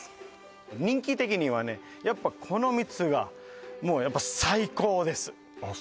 人気的にはねやっぱこの３つがもうやっぱ最高ですあっ